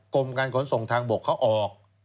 กรมการขนส่งทางบกเขาออก